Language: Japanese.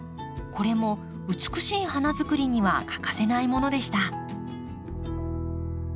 これも美しい花づくりには欠かせないものでした。